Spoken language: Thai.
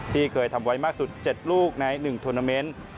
ที่เคยทำไว้มากสุด๗ลูกใน๑ทวนาเมนต์